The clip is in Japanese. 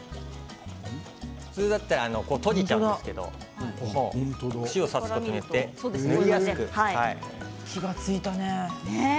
普通だったら閉じちゃうんですけど串を刺すことによって気が付いたね。